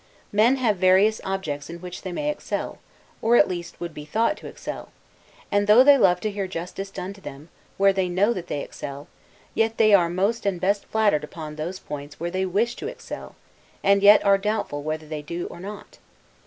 Men have various objects in which they may excel, or at least would be thought to excel; and, though they love to hear justice done to them, where they know that they excel, yet they are most and best flattered upon those points where they wish to excel, and yet are doubtful whether they do or not.